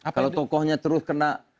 kalau tokohnya terus kena